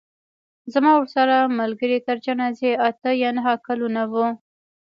زما ورسره ملګرۍ تر جنازې اته یا نهه کلونه وه.